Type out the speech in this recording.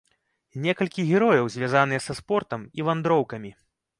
Некалькі герояў звязаныя са спортам і вандроўкамі.